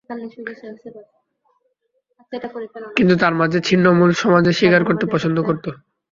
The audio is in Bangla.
কিন্তু তার মাঝে ছিন্নমূল সমাজে শিকার করতে পছন্দ করত।